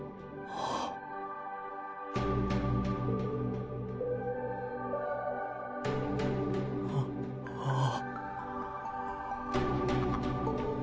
あっああっ。